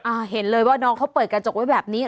เห็นเลยว่าน้องเขาเปิดกระจกไว้แบบนี้